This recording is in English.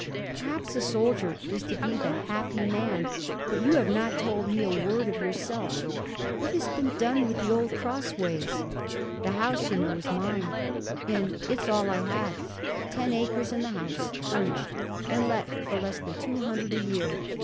'Perhaps a soldier is to be the happy man. But you have not told me a word of yourself. What has been done with the old Crossways?' 'The house, you know, is mine. And it's all I have: ten acres and the house, furnished, and let for less than two hundred a year.